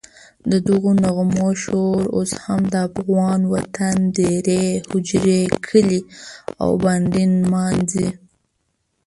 ددغو نغمو شور اوس هم د افغان وطن دېرې، هوجرې، کلي او بانډې نمانځي.